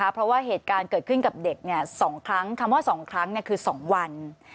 เพราะว่าเหตุการณ์เกิดขึ้นกับเด็ก๒ครั้งคำว่า๒ครั้งคือ๒วัน